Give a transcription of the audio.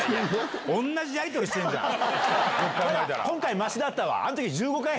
今回ましだったわ。